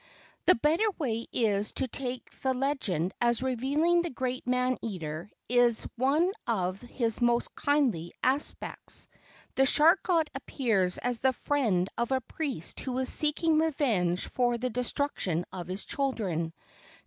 The better way is to take the legend as revealing the great man eater in one of his most kindly aspects. The shark god appears as the friend of a priest who is seeking revenge for the destruction of his children.